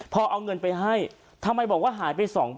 พอเอาเงินไปให้ทำไมบอกว่าหายไป๒๐๐